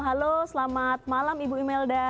halo selamat malam ibu imelda